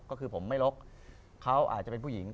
ก็คือผมไม่ลกเขาอาจจะเป็นผู้หญิง